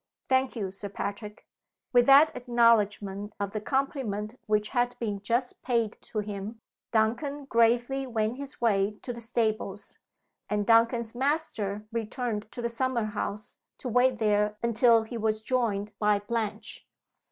"Thank you, Sir Patrick." With that acknowledgment of the compliment which had been just paid to him, Duncan gravely went his way to the stables; and Duncan's master returned to the summer house, to wait there until he was joined by Blanche.